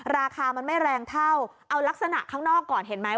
ราคามันไม่แรงเท่าเอาลักษณะข้างนอกก่อนเห็นไหม